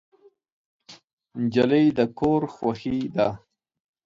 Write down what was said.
نجلۍ د کور خوښي ده.